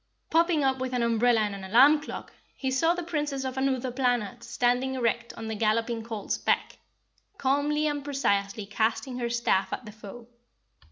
Popping up with an umbrella and an alarm clock, he saw the Princess of Anuther Planet standing erect on the galloping colt's back, calmly and precisely casting her staff at the foe.